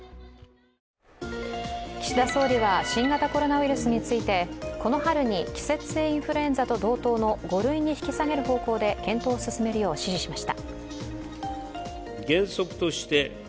岸田総理は新型コロナウイルスについて、この春に季節性インフルエンザと同等の５類に引き下げる方向で検討を進めるよう指示しました。